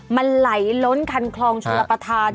มันไหลล้นคันคลองชลประธาน